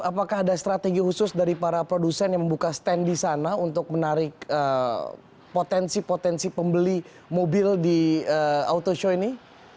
apakah ada strategi khusus dari para produsen yang membuka stand di sana untuk menarik potensi potensi pembeli mobil di auto show ini